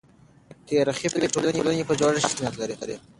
تاريخي پېښې د ټولنې په جوړښت کې څه اهمیت لري؟